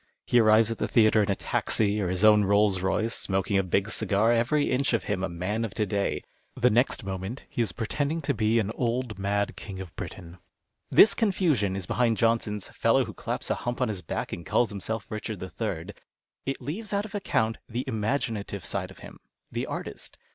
He arrives at the theatre in a taxi, or his own Rolls Royce, smoking a big cigar, every inch of him a man of to day ; the next moment he is pretending to be an old mad King of Britain. This confusion is behind Johnson's " fellow who claps a hump on his back and calls himself Richard the Third."' It leaves out of account the imaginative side of him, the artist.